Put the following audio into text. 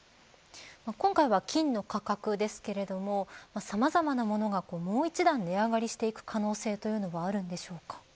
今回は金の価格ですけれどもさまざまなモノがもう一段値上がりしていく可能性というのはあるのでしょうか。